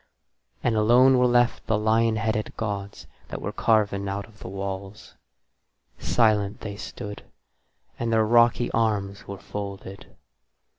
And alone were left the lion headed gods that were carven out of the walls; silent they stood, and their rocky arms were folded.